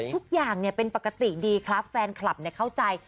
ทุกอย่างเป็นปกติดีครับแฟนคลับเข้าใจ